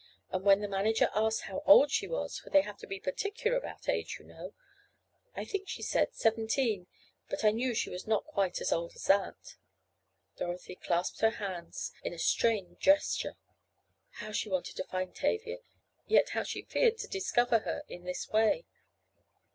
And when the manager asked how old she was (for they have to be particular about age you know) I think she said seventeen, but I knew she was not quite as old as that." Dorothy clasped her hands in a strained gesture. How she wanted to find Tavia, yet how she feared to discover her in this way!